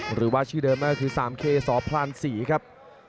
หรือว่าชื่อเดิมนั่นก็คือสามเคสพลานศรีครับ